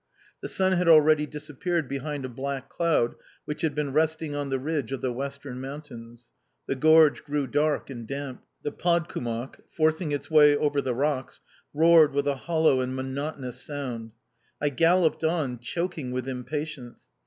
The sun had already disappeared behind a black cloud, which had been resting on the ridge of the western mountains; the gorge grew dark and damp. The Podkumok, forcing its way over the rocks, roared with a hollow and monotonous sound. I galloped on, choking with impatience.